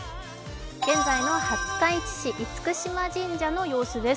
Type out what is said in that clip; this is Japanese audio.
現在の廿日市市・厳島神社の様子です。